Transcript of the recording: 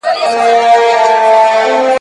نازولې د بادار یم معتبره ..